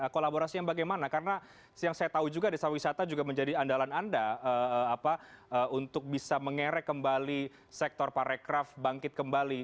kolaborasinya bagaimana karena yang saya tahu juga desa wisata juga menjadi andalan anda untuk bisa mengerek kembali sektor parekraf bangkit kembali